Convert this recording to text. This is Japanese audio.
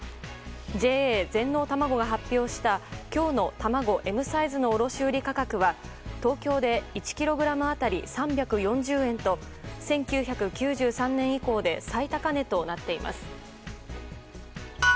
ＪＡ全農たまごが発表した今日のたまごＭサイズの卸売価格は東京で１ｋｇ当たり３４０円と１９９３年以降で最高値となっています。